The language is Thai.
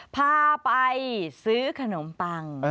พาไปซื้อขนมปัง